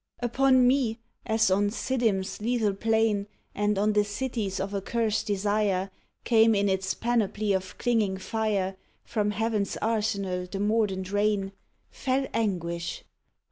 Upon me (as on Siddim's lethal plain And on the cities of accurst desire Came in its panoply of clinging fire From Heaven's arsenal the mordant rain) Fell Anguish.